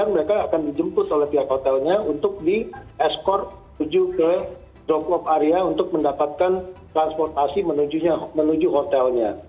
mereka akan dijemput oleh pihak hotelnya untuk di eskor menuju ke drop of area untuk mendapatkan transportasi menuju hotelnya